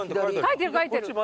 書いてる書いてる。